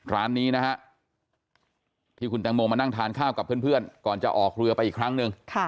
ร้านนี้นะฮะที่คุณแตงโมมานั่งทานข้าวกับเพื่อนก่อนจะออกเรือไปอีกครั้งหนึ่ง